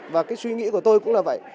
và cái suy nghĩ của tôi cũng là vậy